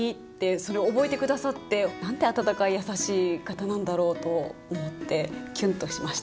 それ覚えて下さって。なんて温かい優しい方なんだろうと思ってキュンとしました。